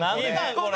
これ！